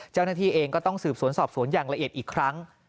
เจ้าหน้าที่เองก็ต้องสืบสวนสอบสวนอย่างละเอียดอีกครั้ง